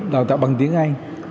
đào tạo bằng tiếng anh